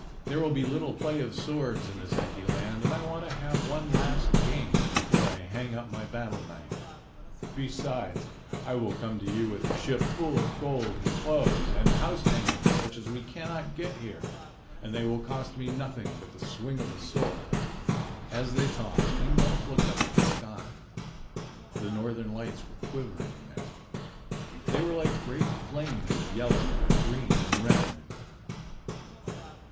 There will be little play of swords in this empty land, and I want to have one last game before I hang up my battle knife. Besides, I will come to you with a ship full of gold and clothes and house hangings such as we cannot get here, and they will cost me nothing but the swing of a sword." As they talked, Ingolf looked up at the sky. The northern lights were quivering there. They were like great flames of yellow and green and red.